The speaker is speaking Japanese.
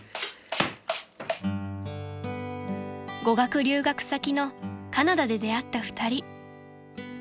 ［語学留学先のカナダで出会った二人］